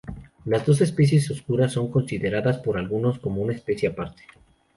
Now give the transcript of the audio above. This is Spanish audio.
Las dos especies oscuras son consideradas por algunos como una especie aparte.